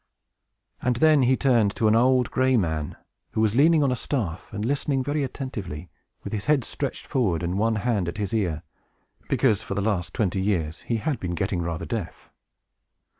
And then he turned to an old, gray man, who was leaning on a staff, and listening very attentively, with his head stretched forward, and one hand at his ear, because, for the last twenty years, he had been getting rather deaf.